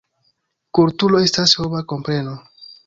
Kulturo estas homa kompreno.